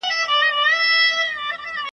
ړوند په څراغ څه کوي .